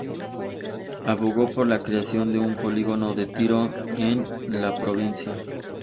Abogó por la creación de un polígono de tiro en la provincia.